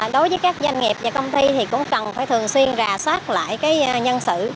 đối với các doanh nghiệp và công ty cũng cần thường xuyên rà soát lại nhân sự